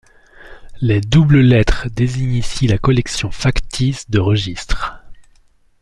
Les doubles lettres désignent ici la collection factice de registres.